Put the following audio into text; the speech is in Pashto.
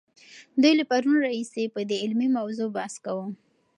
دوی له پرون راهیسې په دې علمي موضوع بحث کاوه.